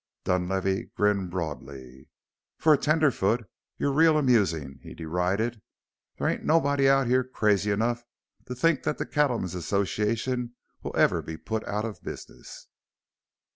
Dunlavey grinned broadly. "For a tenderfoot you're real amusing," he derided. "There ain't nobody out here crazy enough to think that the Cattlemen's Association will ever be put out of business!"